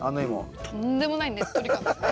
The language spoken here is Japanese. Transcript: とんでもないねっとり感ですね。